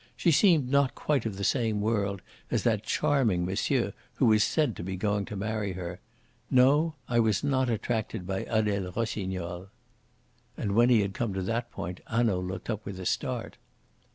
She seemed not quite of the same world as that charming monsieur who was said to be going to marry her. No; I was not attracted by Adele Rossignol." And when he had come to that point Hanaud looked up with a start.